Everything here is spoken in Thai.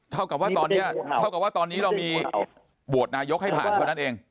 เท่าก่อว่าตอนนี้เรามีบวกนายกให้ผ่านเฉพาะนั่นเอง